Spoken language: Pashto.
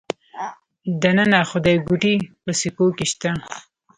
د ننه خدایګوټې په سکو کې شته